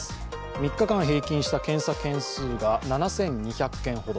３日間平均した検査件数が７２００件ほど。